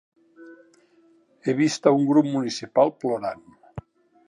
He vist a un grup municipal plorant.